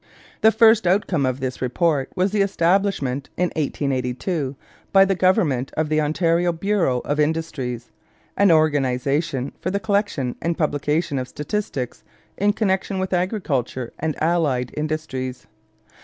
The first outcome of this report was the establishment, in 1882, by the government of the Ontario bureau of Industries, an organization for the collection and publication of statistics in connection with agriculture and allied industries.